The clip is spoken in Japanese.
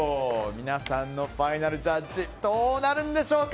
皆さんのファイナルジャッジどうなるんでしょうか。